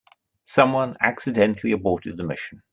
Someone accidentally aborted the mission.